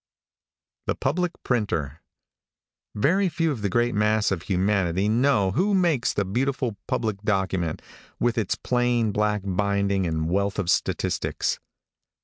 THE PUBLIC PRINTER. VERY few of the great mass of humanity know who makes the beautiful public document, with its plain, black binding and wealth of statistics.